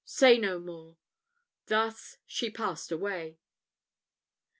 say no more! Thus she passed away!"